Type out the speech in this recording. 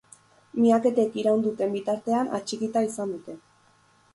Miaketek iraun duten bitartean atxikita izan dute.